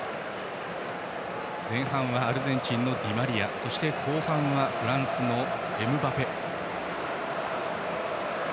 前半はアルゼンチンのディマリア後半はフランスのエムバペ。